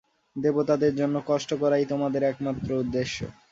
দেবতাদের জন্য কষ্ট করাই তোদের একমাত্র উদ্দেশ্য।